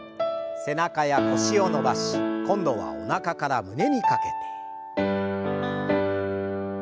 背中や腰を伸ばし今度はおなかから胸にかけて。